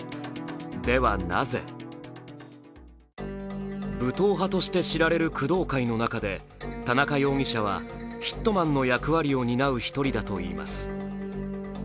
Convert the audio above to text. では、なぜ武闘派として知られる工藤会の中で田中容疑者はヒットマンの役割を担う一人だといいます。